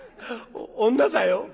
女だよ」。